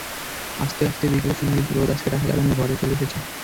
আস্তে আস্তে বিকেলের সোনালি রোদ আজকে রাহেলা বানুর ঘরে চলে এসেছে।